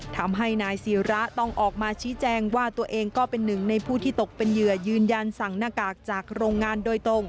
ทำให้นายศิระต้องออกมาชี้แจงว่าตัวเองก็เป็นหนึ่งในผู้ที่ตกเป็นเหยื่อยืนยันสั่งหน้ากากจากโรงงานโดยตรง